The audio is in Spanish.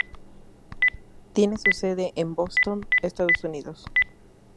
Tiene su sede en Boston, Estados Unidos.